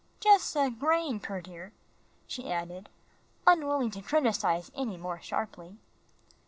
Jus' a grain purtier," she added, unwilling to criticise any more sharply.